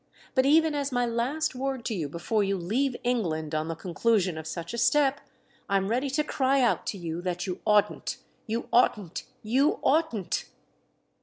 But even as my last word to you before you leave England on the conclusion of such a step, I'm ready to cry out to you that you oughtn't, you oughtn't, you oughtn't!"